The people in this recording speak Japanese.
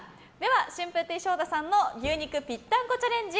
春風亭昇太さんの牛肉ぴったんこチャレンジ